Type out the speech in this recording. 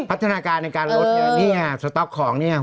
พัฒนาการในการครดเนี่ยหุ่นของเรือนะ